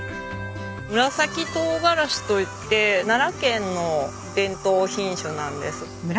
紫とうがらしといって奈良県の伝統品種なんです。